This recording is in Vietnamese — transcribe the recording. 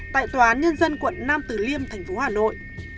tại tòa án nhân dân quận nam tử liêm thành phố hà nội